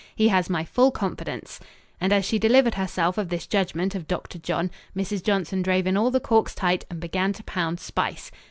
He has my full confidence," and as she delivered herself of this judgment of Dr. John, Mrs. Johnson drove in all the corks tight and began to pound spice.